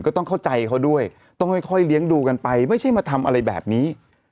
ก็ต้องเข้าใจเขาด้วยต้องค่อยเลี้ยงดูกันไปไม่ใช่มาทำอะไรแบบนี้